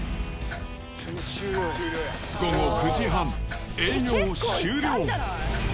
午後９時半、営業終了。